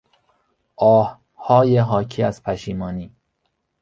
آههای حاکی از پشیمانی